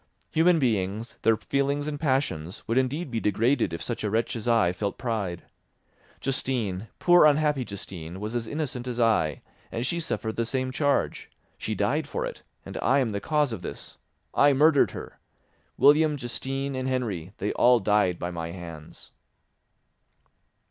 Human beings, their feelings and passions, would indeed be degraded if such a wretch as I felt pride. Justine, poor unhappy Justine, was as innocent as I, and she suffered the same charge; she died for it; and I am the cause of this—I murdered her. William, Justine, and Henry—they all died by my hands."